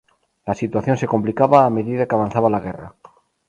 La situación se complicaba a medida que avanzaba la guerra.